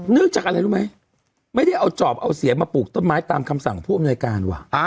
จากอะไรรู้ไหมไม่ได้เอาจอบเอาเสียมาปลูกต้นไม้ตามคำสั่งผู้อำนวยการว่ะ